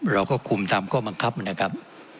เราก็คุมตามข้อบังคับนะครับ